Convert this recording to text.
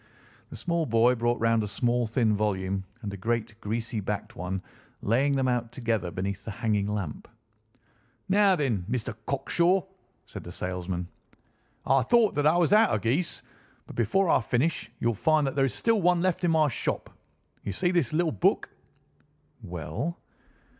The small boy brought round a small thin volume and a great greasy backed one, laying them out together beneath the hanging lamp. "Now then, Mr. Cocksure," said the salesman, "I thought that I was out of geese, but before I finish you'll find that there is still one left in my shop. You see this little book?" "Well?"